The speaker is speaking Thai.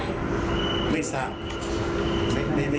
แต่ว่าเขายังยืนยันหรือว่าเขาก็ไม่สุดใจ